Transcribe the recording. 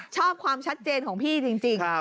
ชอบความชัดเจนของพี่จริง